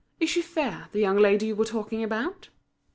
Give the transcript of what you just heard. Is she fair, the young lady you were talking about?"